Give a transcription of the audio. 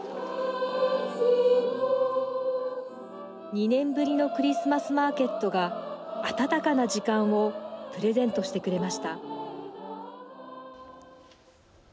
２ 年ぶりのクリスマスマーケットが温かな時間をプレゼントしてくれました。